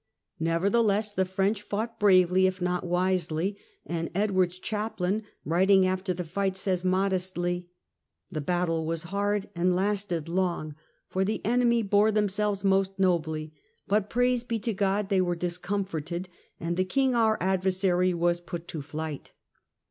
Nevertheless the French fought bravely if not wisely, and Edward's chaplain, writing after the fight, says modestly :" The battle was hard and lasted long, for the enemy bore themselves most nobly ; but praise be to God they were discomforted and the King our adversary was put to flight